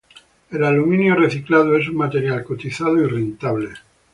El aluminio reciclado es un material cotizado y rentable.